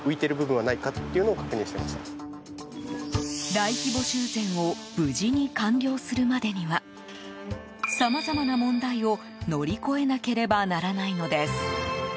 大規模修繕を無事に完了するまでにはさまざまな問題を乗り越えなければならないのです。